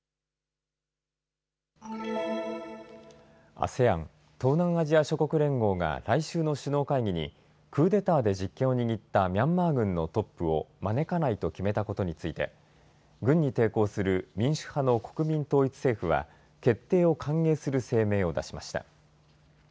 ＡＳＥＡＮ・東南アジア諸国連合が来週の首脳会議にクーデターで実権を握ったミャンマー軍のトップを招かないと決めたことについて軍に抵抗する民主派の国民統一政府は決定を歓迎する声明を出しました。